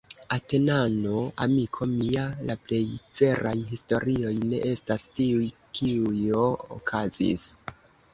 Atenano, amiko mia, la plej veraj historioj ne estas tiuj, kiujo okazis.